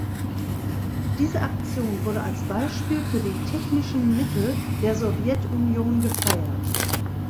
Diese Aktion wurde als Beispiel für die technischen Mittel der Sowjetunion gefeiert.